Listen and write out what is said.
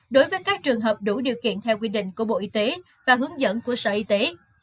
đối với các trường hợp đủ điều kiện theo quy định của bộ y tế và hướng dẫn của sở y tế